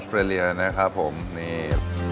ออสเตอร์เรียนะครับผมนี่